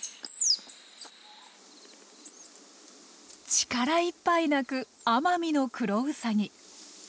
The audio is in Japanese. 力いっぱい鳴くアマミノクロウサギ。